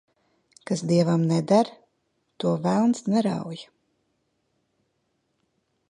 Kas dievam neder, to velns nerauj.